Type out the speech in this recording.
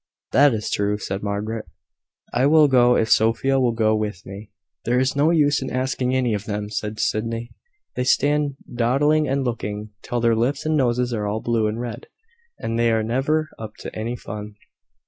"That is true," said Margaret. "I will go if Sophia will go with me." "There is no use in asking any of them," said Sydney. "They stand dawdling and looking, till their lips and noses are all blue and red, and they are never up to any fun."